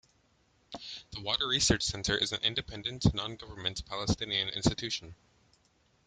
The water research center is an independent non-government Palestinian institution.